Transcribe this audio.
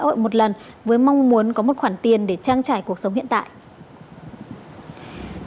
người lao động đã nhận bảo hiểm xã hội một lần với mong muốn có một khoản tiền để trang trải cuộc sống hiện tại